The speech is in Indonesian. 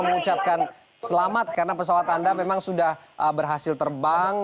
mengucapkan selamat karena pesawat anda memang sudah berhasil terbang